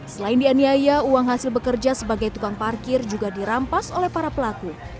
selain dianiaya uang hasil bekerja sebagai tukang parkir juga dirampas oleh para pelaku